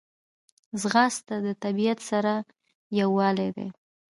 ځغاسته د طبیعت سره یووالی دی